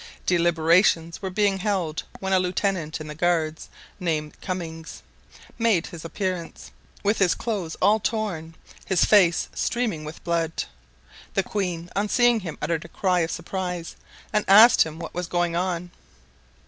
Deliberations were being held when a lieutenant in the guards, named Comminges, made his appearance, with his clothes all torn, his face streaming with blood. The queen on seeing him uttered a cry of surprise and asked him what was going on.